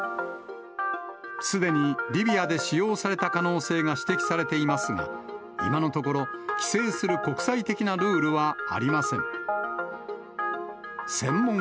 すでにリビアで使用された可能性が指摘されていますが、今のところ、規制する国際的なルールはありません。